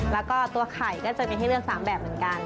แล้วก็ตัวไข่ก็จะมีให้เลือก๓แบบเหมือนกัน